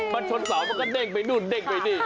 มันชนเสามันก็เด้งไปนู่นเด้งไปนี่